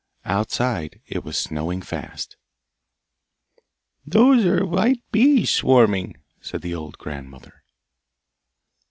Outside it was snowing fast. 'Those are the white bees swarming,' said the old grandmother.